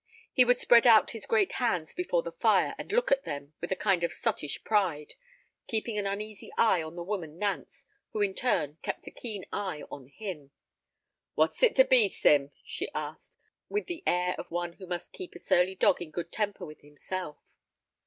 He would spread out his great hands before the fire and look at them with a kind of sottish pride, keeping an uneasy eye upon the woman Nance, who in turn kept a keen eye on him. "What is it to be, Sim?" she asked, with the air of one who must keep a surly dog in good temper with himself.